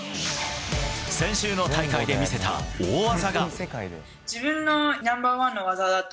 先週の大会で見せた大技が。